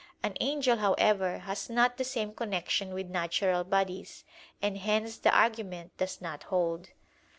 An angel, however, has not the same connection with natural bodies; and hence the argument does not hold.